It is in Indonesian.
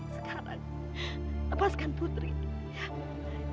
sekarang lepaskan putri ya